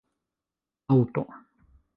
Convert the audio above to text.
aŭto